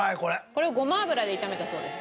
これをごま油で炒めたそうです。